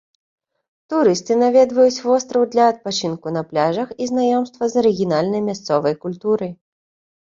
Турысты наведваюць востраў для адпачынку на пляжах і знаёмства з арыгінальнай мясцовай культурай.